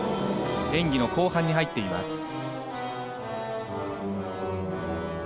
演技の後半に入っています。